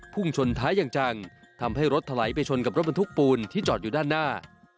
ชนท้ายอย่างจังทำให้รถถลายไปชนกับรถบรรทุกปูนที่จอดอยู่ด้านหน้า